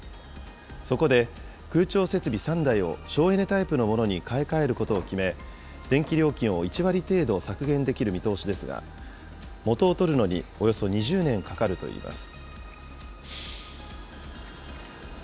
そこで空調設備３台を省エネタイプのものに買い替えることを決め、電気料金を１割程度削減できる見通しですが、元をとるのにおよそ２０年かかるといいます。